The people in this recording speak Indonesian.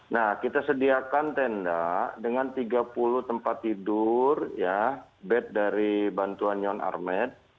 nah kita sediakan tenda dengan tiga puluh tempat tidur ya bed dari bantuan nyon armed